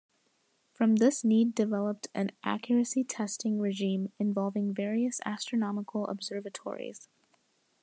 From this need developed an accuracy testing regime involving various astronomical observatories.